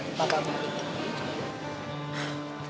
dia bahkan dia akan punya papa baru